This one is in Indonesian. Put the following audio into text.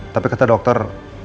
tapi kata dokter